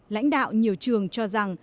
lãnh đạo nhiều trường cho rằng